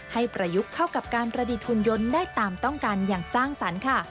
ประยุกต์เข้ากับการประดิษฐ์หุ่นยนต์ได้ตามต้องการอย่างสร้างสรรค์ค่ะ